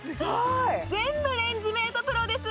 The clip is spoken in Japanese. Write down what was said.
全部レンジメートプロです